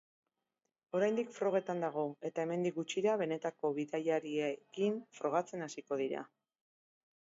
Oraindik frogetan dago eta hemendik gutxira, benetako bidaiariekin frogatzen hasiko dira.